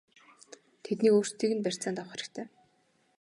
Тэднийг өөрсдийг нь барьцаанд авах хэрэгтэй!!!